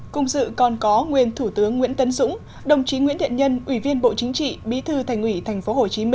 cùng dự còn có nguyên thủ tướng nguyễn tấn dũng đồng chí nguyễn thiện nhân ủy viên bộ chính trị bí thư thành ủy tp hcm